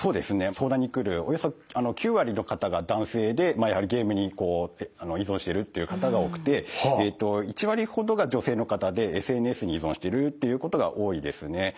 相談に来るおよそ９割の方が男性でやはりゲームに依存しているっていう方が多くてえと１割ほどが女性の方でＳＮＳに依存してるっていうことが多いですね。